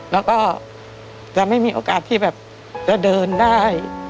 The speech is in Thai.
แล้วก็จะไม่มีโอกาสที่แบบจะเดินได้